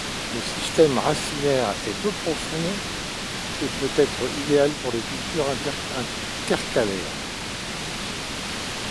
Le système racinaire est peu profond et peut être idéal pour les cultures intercalaires.